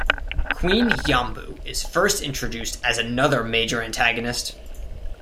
Queen Yambu is first introduced as another major antagonist.